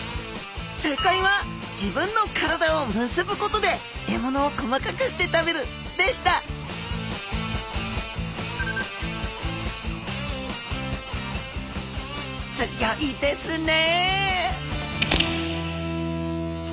正解は自分の体を結ぶことで獲物を細かくして食べるでしたすギョいですね